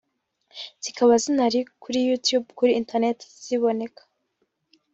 zikaba zinari kuri Youtube kuri internet ziboneka